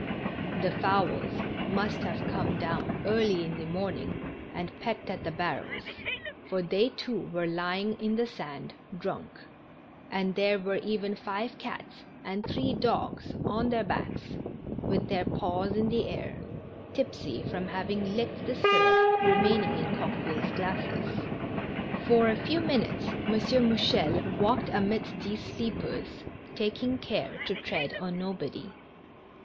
The fowls must have come down early in the morning and pecked at the barrels, for they, too, were lying in the sand, drunk ; and there were even five cats and three dogs on their backs, with their paws in the air — tipsy from having licked the syrup remaining in Coqueville's glasses. For a few minutes M. Mouchel walked amidst these sleepers, taking care to tread on nobody.